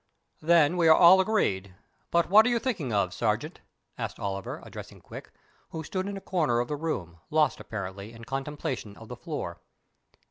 "Then we are all agreed. But what are you thinking of, Sergeant?" asked Oliver, addressing Quick, who stood in a corner of the room, lost apparently in contemplation of the floor.